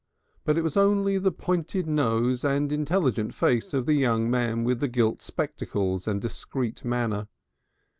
But it was only the pointed nose and intelligent face of the young man with the gilt spectacles and discreet manner.